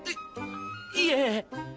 いいえ。